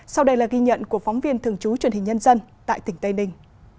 sau đây là ghi nhận của phóng viên thường trú truyền hình nhân dân tại tỉnh tây ninh